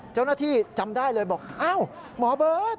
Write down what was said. เจ้าหน้าที่จำได้เลยบอกอ้าวหมอเบิ๊ด